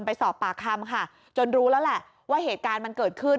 ไปสอบปากคำค่ะจนรู้แล้วแหละว่าเหตุการณ์มันเกิดขึ้น